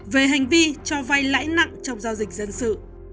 về hành vi cho vay lãi nặng trong giao dịch dân sự